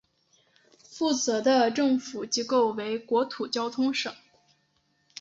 负责的政府机构为国土交通省。